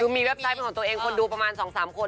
คือมีเว็บไซต์ของตัวเองคนดูประมาณสองสามคน